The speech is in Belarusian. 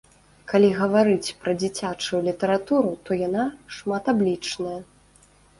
Калі гаварыць пра дзіцячую літаратуру, то яна шматаблічная.